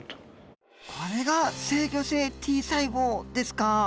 これが制御性Ｔ細胞ですか。